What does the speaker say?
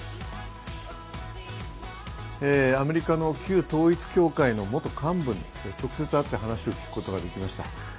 アメリカの旧統一教会の元幹部に直接会って話を聞くことができました。